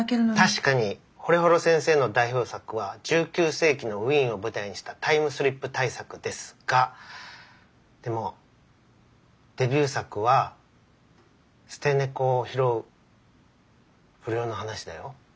確かに惚幌先生の代表作は１９世紀のウィーンを舞台にしたタイムスリップ大作ですがでもデビュー作は捨て猫を拾う不良の話だよ。